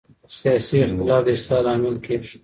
سیاسي اختلاف د اصلاح لامل کېږي